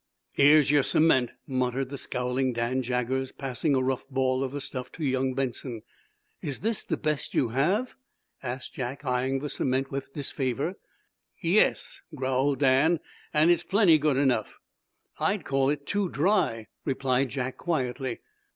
"Here's yer cement," muttered the scowling Dan Jaggers, passing a rough ball of the stuff to young Benson. "Is this the best you have?" asked Jack, eyeing the cement with disfavor. "Yes," growled Dan, "and it's plenty good enough." "I'd call it too dry," replied Jack, quietly.